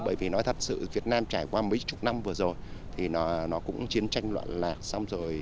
bởi vì nói thật sự việt nam trải qua mấy chục năm vừa rồi thì nó cũng chiến tranh luận lạc xong rồi